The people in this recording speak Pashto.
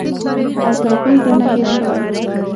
او ټایپینګ رانه هېر شوی